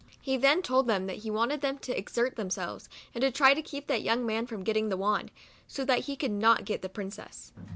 He then told them that he wanted them to exert themselves, and try to keep that young man from get ting the wand, so that he could not get the princess.